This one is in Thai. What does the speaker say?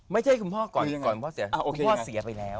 ไม่ใช่คุณพ่อก่อนพ่อเสียไปแล้ว